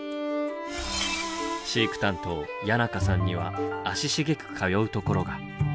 飼育担当谷仲さんには足しげく通うところが。